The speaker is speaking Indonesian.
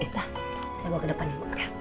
dah kita bawa ke depan ya